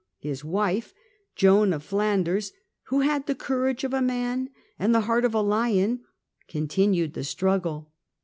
His wife, Joan of Flanders, " who had the courage of a man and the heart of a lion," con tinued the struggle.